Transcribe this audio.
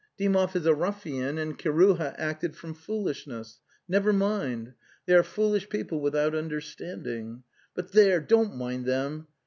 Dymov is a rufian and Kiruha acted from foolishness — never mind. ... They are foolish people without understanding — but there, don't mind them.